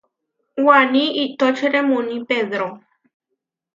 Waní iʼtóčere muuní Pedró.